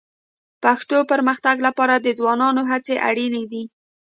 پښتو پرمختګ لپاره د ځوانانو هڅې اړیني دي